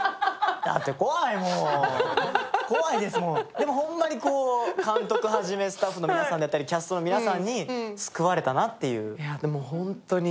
でもほんまに監督はじめスタッフの皆さんだったりキャストの皆さんに救われたなっていう。